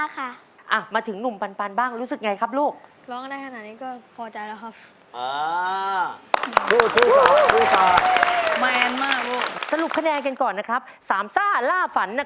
สามต้าราฝันเป็นปราสนาแฟน